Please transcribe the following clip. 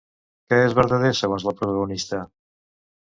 Què és vertader segons la protagonista?